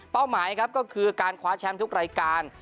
เป้าหมายก็คือการคว้าแชมป์ทุกรายการ